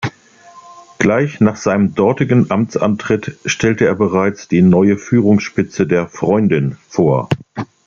Gleich nach seinem dortigen Amtsantritt stellte er bereits die neue Führungsspitze der "Freundin" vor.